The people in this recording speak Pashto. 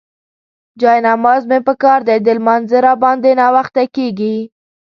جاینماز مې پکار دی، د لمانځه راباندې ناوخته کيږي.